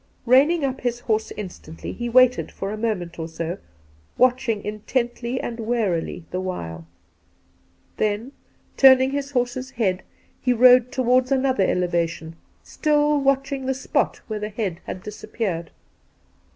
Eeining up his horse instantly, he waited for a moment or so, watching intently and warily the while. Then, Two Christmas Days 225 turning his horse's head, he rode towards another elevation, stUl watching the spot where the head had disappeared.